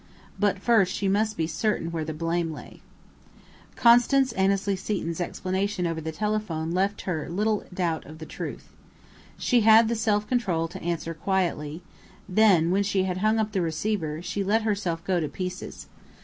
But first she must be certain where the blame lay. Constance Annesley Seton's explanation over the telephone left her little doubt of the truth. She had the self control to answer quietly; then, when she had hung up the receiver, she let herself go to pieces.